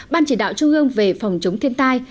ban chỉ đạo trung ương về phòng chống thiên tai